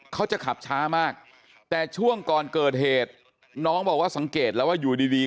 เขาจะขับช้ามากแต่ช่วงก่อนเกิดเหตุน้องบอกว่าสังเกตแล้วว่าอยู่ดีดี